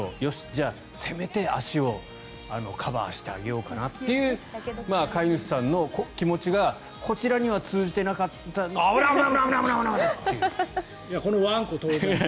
じゃあ、せめて足をカバーしてあげようかなという飼い主さんの気持ちがこちらには通じてなくてこのワンコ、当然。